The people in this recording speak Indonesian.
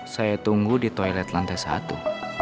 saya tunggu di toilet lantai satu